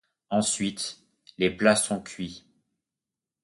Ensuite les plats sont cuits.